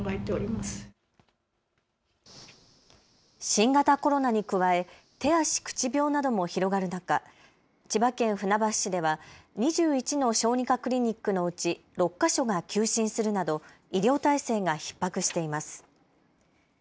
新型コロナに加え手足口病なども広がる中、千葉県船橋市では２１の小児科クリニックのうち６か所が休診するなど医療体制がひっ迫しています。